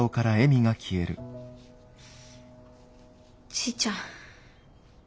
じいちゃん